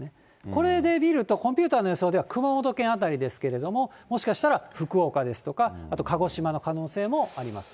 これで見ると、コンピューターの予想では熊本県辺りですけれども、もしかしたら福岡ですとか、あと鹿児島の可能性もあります。